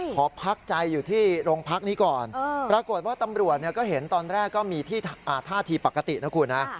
ขอพักใจอยู่ที่โรงพักนี้ก่อนปรากฏว่าตำรวจก็เห็นตอนแรกก็มีท่าทีปกตินะคุณนะ